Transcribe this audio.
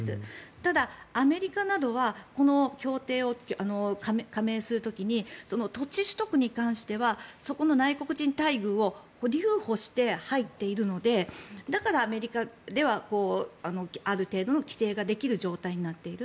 ただ、アメリカなどはこの協定を加盟する時に土地取得に関してはそこの内国民待遇を留保して入っているのでだから、アメリカではある程度の規制ができる状態になっている。